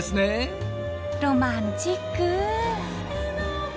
ロマンチック！